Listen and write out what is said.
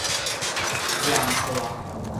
驗看